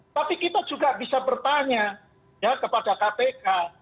tapi kita juga bisa bertanya kepada kpk